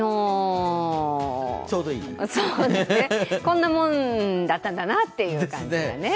こんなもんだったんだなっていう感じですね。